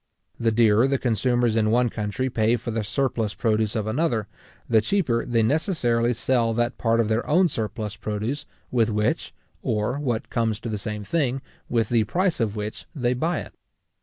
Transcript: The dearer the consumers in one country pay for the surplus produce of another, the cheaper they necessarily sell that part of their own surplus produce with which, or, what comes to the same thing, with the price of which, they buy it.